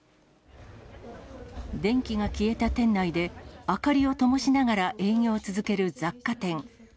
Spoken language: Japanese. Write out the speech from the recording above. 電気が消えた店内で、明かりをともしながら営業を続ける雑貨店。